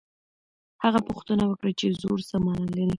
هغه پوښتنه وکړه چې زور څه مانا لري.